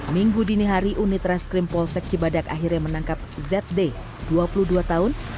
minggu dini hari unit reskrim polsek cibadak akhirnya menangkap zd dua puluh dua tahun